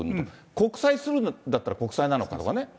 国債刷るんだったら国債なのかとかね。